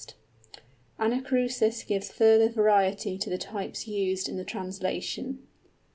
Anacrusis gives further variety to the types used in the translation.